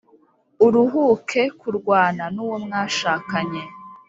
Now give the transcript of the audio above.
uruhuke kurwana nuwo mwashakanye